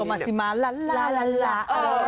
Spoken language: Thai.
ก็มาสิมาลาลาลาลา